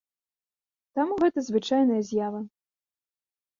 Таму гэта звычайная з'ява.